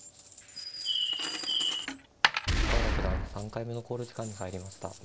深浦九段３回目の考慮時間に入りました。